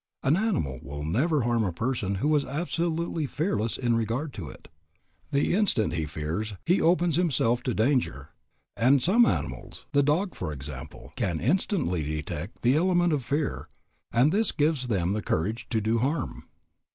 An animal will never harm a person who is absolutely fearless in regard to it. The instant he fears he opens himself to danger; and some animals, the dog for example, can instantly detect the element of fear, and this gives them the courage to do harm.